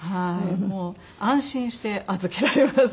もう安心して預けられます。